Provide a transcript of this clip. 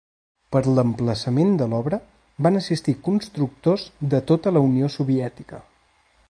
Per l'emplaçament de l'obra van assistir constructors de tota la Unió Soviètica.